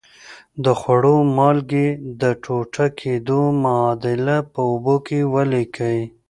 د خوړو مالګې د ټوټه کیدو معادله په اوبو کې ولیکئ.